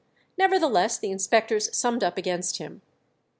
Nevertheless the inspectors summed up against him.